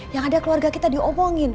yang ada keluarga kita diomongin